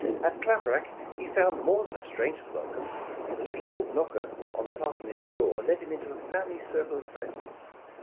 At Claverack he found more than a stranger ^s wel come. The little old knocker on the parsonage door led him into a family circle of friends.